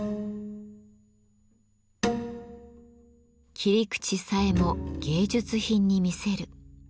切り口さえも芸術品に見せる。